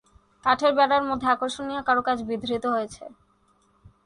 কাঠের বেড়ার মধ্যে আকর্ষণীয় কারুকাজ বিধৃত হয়েছে।